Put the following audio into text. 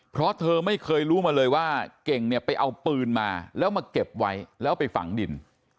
เพราะเธอไม่เคยรู้มาเลยว่าเก่งเนี่ยไปเอาปืนมาแล้วมาเก็บไว้แล้วไปฝังดิน